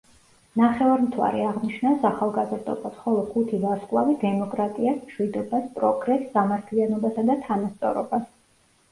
ნახევარმთვარე აღნიშნავს ახალგაზრდობას, ხოლო ხუთი ვარსკვლავი დემოკრატიას, მშვიდობას, პროგრესს, სამართლიანობასა და თანასწორობას.